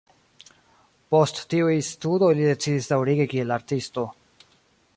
Post tiuj studoj li decidis daŭrigi kiel artisto.